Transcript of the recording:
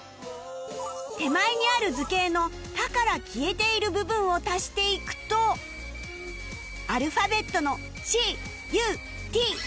手前にある図形の「田」から消えている部分を足していくとアルファベットの ＣＵＴＥ